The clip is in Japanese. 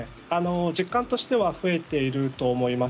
実感としては増えていると思います。